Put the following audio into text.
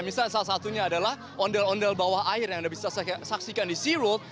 misalnya salah satunya adalah ondel ondel bawah air yang anda bisa saksikan di sea road